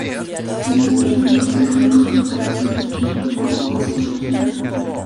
Tuvieron ocho hijos, incluido el poeta ocasional John Jacob Astor Jr.